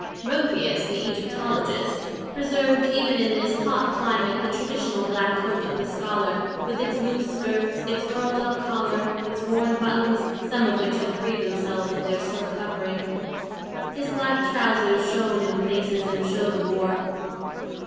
Rumphius, the Egyptologist, preserved even in this hot climate the traditional black coat of the scholar with its loose skirts, its curled up collar, its worn buttons, some of which had freed themselves of their silk covering. His black trousers shone in places and showed the warp.